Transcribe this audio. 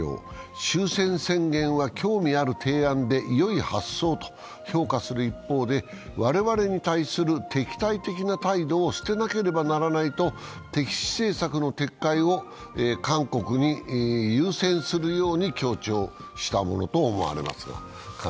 終戦宣言は興味ある提案でよい発想と評価する一方で、我々に対する敵対的な態度を捨てなければならないと、敵視政策の撤回を韓国に優先するよう強調したものと思われます。